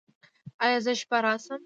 ایا زه شپه راشم؟